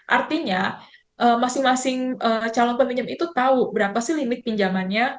artinya masing masing calon peminjam itu tahu berapa sih limit pinjamannya